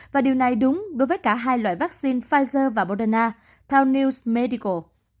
và điều này đúng đối với cả hai loại vaccine pfizer và moderna theo news medical